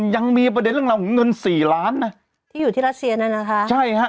ยังมีประเด็นเรื่องราวของเงินสี่ล้านนะที่อยู่ที่รัสเซียนั้นนะคะใช่ฮะ